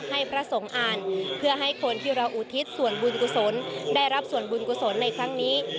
ให้พระสงฆ์อ่านเพื่อให้คนที่เราอุทิศส่วนบุญกุศลได้รับส่วนบุญกุศลในครั้งนี้